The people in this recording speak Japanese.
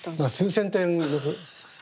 数千点です。